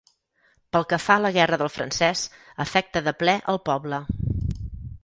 Pel que fa a la guerra del francès, afecta de ple el poble.